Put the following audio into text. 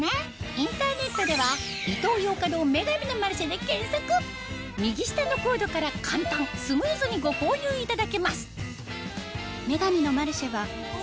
インターネットでは右下のコードから簡単スムーズにご購入いただけます